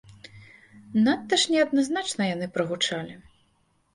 Надта ж неадназначна яны прагучалі.